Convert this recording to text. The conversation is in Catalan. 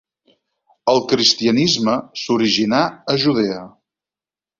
El cristianisme s'originà a Judea.